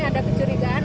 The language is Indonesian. pada produk kudang